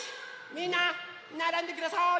みんなならんでください。